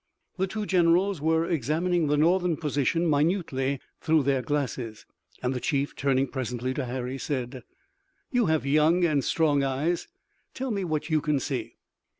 The two generals were examining the Northern position minutely through their glasses, and the chief, turning presently to Harry, said: "You have young and strong eyes. Tell me what you can see."